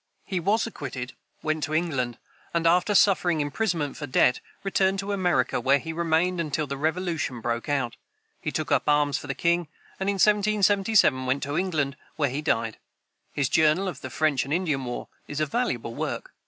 He was acquitted, went to England, and, after suffering imprisonment for debt, returned to America, where he remained until the Revolution broke out. He took up arms for the king, and in 1777 went to England, where he died. His "Journal of the French and Indian War" is a valuable work.